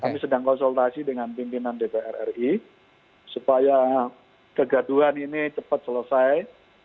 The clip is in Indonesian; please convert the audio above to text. kami sedang konsultasi dengan pimpinan dpr ri supaya kegaduhan ini cepat selesai